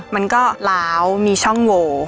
มันก็ล้าวมีช่องโหว